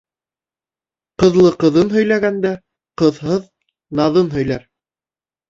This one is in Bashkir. Ҡыҙлы ҡыҙын һөйләгәндә, ҡыҙһыҙ наҙын һөйләр.